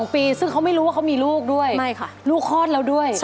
๒ปีซึ่งเขามีรู้ว่าเขามีลูกด้วย